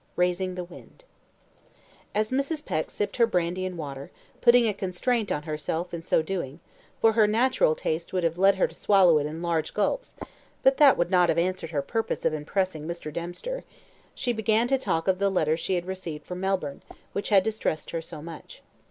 Raising The Wind As Mrs. Peck sipped her brandy and water, putting a constraint on herself in so doing for her natural taste would have led her to swallow it in large gulps, but that would not have answered her purpose of impressing Mr. Dempster she began to talk of the letter she had received from Melbourne, which had distressed her so much.